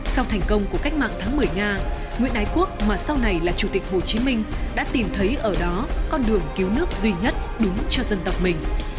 sau thành công của cách mạng tháng một mươi nga nguyễn ái quốc mà sau này là chủ tịch hồ chí minh đã tìm thấy ở đó con đường cứu nước duy nhất đúng cho dân tộc mình